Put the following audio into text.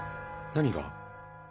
何が？